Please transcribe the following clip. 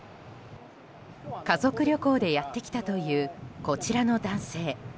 家族旅行でやってきたというこちらの男性。